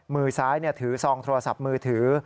มือซ้ายถือซองโทรศัพท์มือถือ